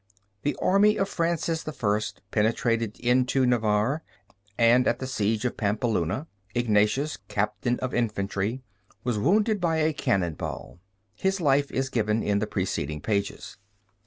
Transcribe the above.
The army of Francis I penetrated into Navarre, and, at the siege of Pampeluna, Ignatius, Captain of Infantry, was wounded by a cannon ball. His life is given in the preceding pages.